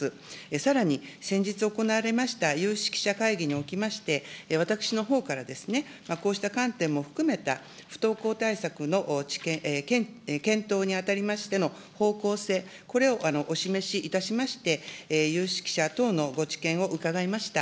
さらに先日行われました有識者会議におきまして、私のほうから、こうした観点も含めた不登校対策の検討にあたりましての方向性、これをお示しいたしまして、有識者等のご知見を伺いました。